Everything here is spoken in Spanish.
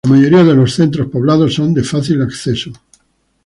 La mayoría de centros poblados son de fácil acceso.